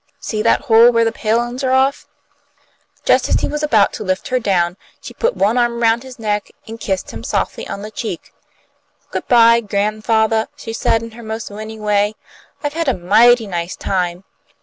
"See that hole where the palin's are off?" Just as he was about to lift her down, she put one arm around his neck, and kissed him softly on the cheek. "Good bye, gran'fatha'," she said, in her most winning way. "I've had a mighty nice time."